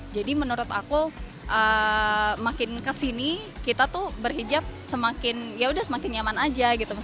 jadi menurut aku makin kesini kita tuh berhijab semakin yaudah semakin nyaman aja gitu